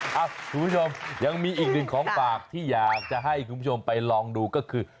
คุณผู้ชมยังมีอีกหนึ่งของฝากที่อยากจะให้คุณผู้ชมไปลองดูก็คือ